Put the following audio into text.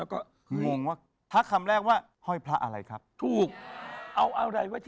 ขอต้อนรับแล้วคุณก้อย